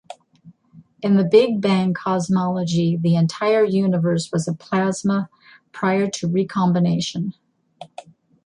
In the big bang cosmology the entire universe was a plasma prior to recombination.